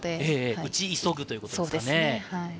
撃ち急ぐということですね。